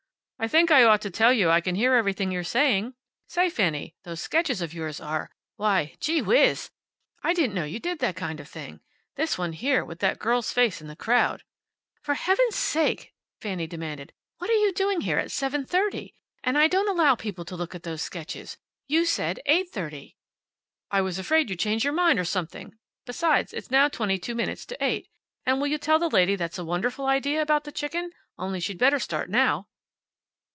"I think I ought to tell you I can hear everything you're saying. Say. Fanny, those sketches of yours are Why, Gee Whiz! I didn't know you did that kind of thing. This one here, with that girl's face in the crowd " "For heaven's sake!" Fanny demanded, "what are you doing here at seven thirty? And I don't allow people to look at those sketches. You said eight thirty." "I was afraid you'd change your mind, or something. Besides, it's now twenty two minutes to eight. And will you tell the lady that's a wonderful idea about the chicken? Only she'd better start now."